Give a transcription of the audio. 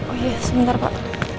oh iya sebentar pak